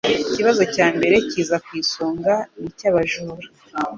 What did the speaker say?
Ikibazo cya mbere kiza ku isonga n'icyabajura